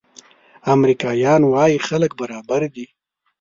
امریکایان وايي خلک برابر دي.